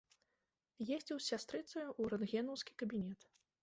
Ездзіў з сястрыцаю ў рэнтгенаўскі кабінет.